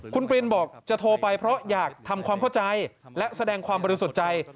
คุณปรินบอกจะโทรไปเพราะอยากทำความเข้าใจและแสดงความบริสุทธิ์ใจ